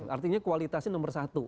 artinya kualitasnya nomor satu